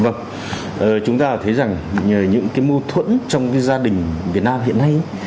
vâng chúng ta thấy rằng những cái mâu thuẫn trong cái gia đình việt nam hiện nay